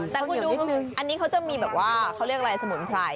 แต่คุณดูอันนี้เขาจะมีแบบว่าเขาเรียกอะไรสมุนไพร